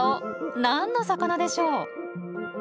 何の魚でしょう。